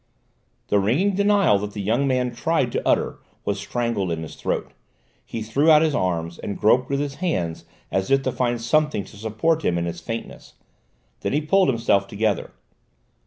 The ringing denial that the young man tried to utter was strangled in his throat; he threw out his arms and groped with his hands as if to find something to support him in his faintness; then he pulled himself together.